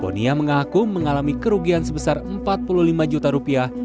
bonia mengaku mengalami kerugian sebesar empat puluh lima juta rupiah